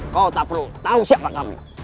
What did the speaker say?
kau tak perlu tahu siapa kami